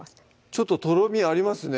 ちょっととろみありますね